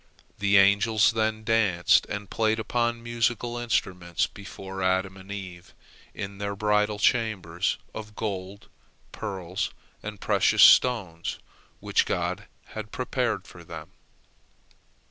The angels then danced and played upon musical instruments before Adam and Eve in their ten bridal chambers of gold, pearls, and precious stones, which God had prepared for them.